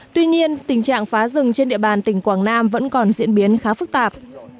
tuy nhiên tình trạng phá rừng trên địa bàn tỉnh quảng nam vẫn còn diễn biến khá phức tạp